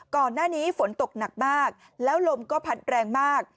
ก่อนหน้านี้ฝนตกหนักมากแล้วลมก็พัดแรงมาก